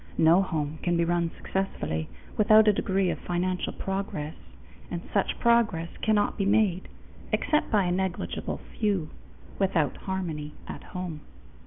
No home can be run successfully without a degree of financial progress, and such progress cannot be made except by a negligible few without harmony at home.